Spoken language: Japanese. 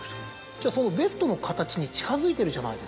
じゃあそのベストの形に近づいてるじゃないですか。